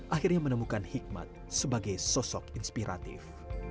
akhirnya menemukan hikmat sebagai sosok inspiratif